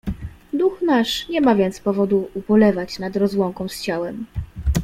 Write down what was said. "Duch nasz nie ma więc powodu ubolewać nad rozłąką z ciałem."